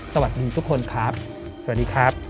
สวัสดีทุกคนครับสวัสดีครับ